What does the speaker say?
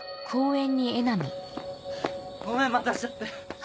ごめん待たせちゃって。